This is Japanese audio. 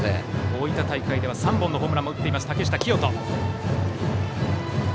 大分大会では３本のホームランも打っている竹下聖人。